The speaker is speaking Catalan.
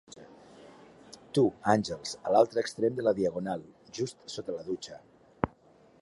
Tu, Àngels, a l'altre extrem de la diagonal, just sota la dutxa.